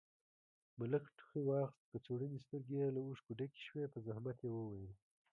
ملک ټوخي واخيست، کڅوړنې سترګې يې له اوښکو ډکې شوې، په زحمت يې وويل: